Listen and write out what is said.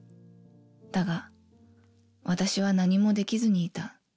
だが私は何もできずにいた。